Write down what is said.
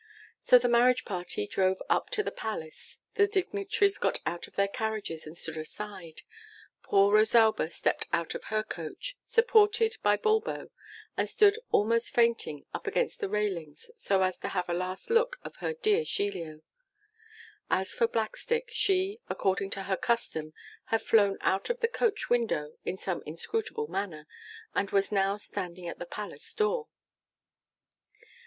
So the marriage party drove up to the palace: the dignitaries got out of their carriages and stood aside: poor Rosalba stepped out of her coach, supported by Bulbo, and stood almost fainting up against the railings so as to have a last look of her dear Giglio. As for Blackstick, she, according to her custom, had flown out of the coach window in some inscrutable manner, and was now standing at the palace door.